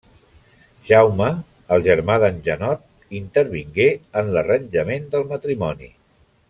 Jaume, el germà d'en Janot, intervingué en l'arranjament del matrimoni.